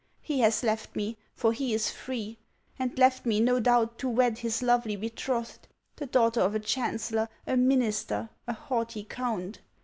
He has left me, for he is free ; and left me, no doubt, to wed his lovely betrothed, — the daughter of a chancellor, a minister, a haughty count